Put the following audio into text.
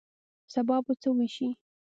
سبا به څه وشي